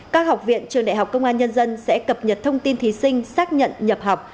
các học viện trường đại học công an nhân dân sẽ cập nhật thông tin thí sinh xác nhận nhập học